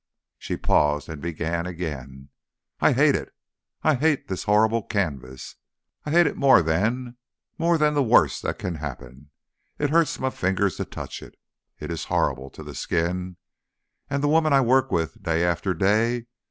She paused and began again. "I hate it! I hate this horrible canvas! I hate it more than more than the worst that can happen. It hurts my fingers to touch it. It is horrible to the skin. And the women I work with day after day!